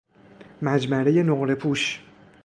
مجمره نقره پوش